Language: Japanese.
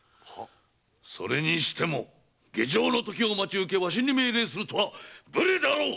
それにしても下城のときを待ち受けわしに命令するとは無礼であろう！